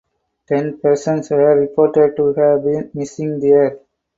Ten persons were reported to have been missing there.